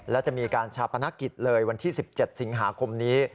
และจะมีการชาปนกิจเลยวันที่๑๗สิงหาคมนี้